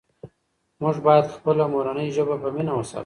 موږ باید خپله مورنۍ ژبه په مینه وساتو.